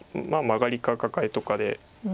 マガリかカカエとかで。